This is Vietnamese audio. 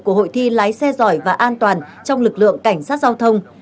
của hội thi lái xe giỏi và an toàn trong lực lượng cảnh sát giao thông